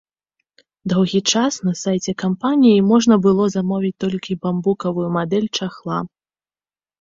Доўгі час на сайце кампаніі можна было замовіць толькі бамбукавую мадэль чахла.